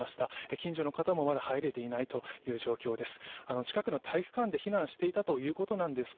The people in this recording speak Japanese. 近所の方もまだ入れていないという状況です。